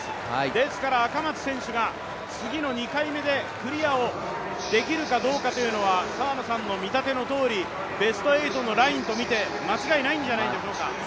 ですから赤松選手が次の２回目でクリアをできるかどうかというのは澤野さんの見立てのとおり、ベスト８のラインとみて間違いないんじゃないでしょうか。